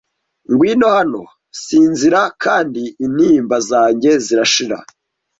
Ngwino hano Sinzira Kandi intimba zanjye zirashira